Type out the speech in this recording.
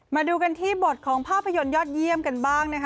มาดูกันที่บทของภาพยนตร์ยอดเยี่ยมกันบ้างนะคะ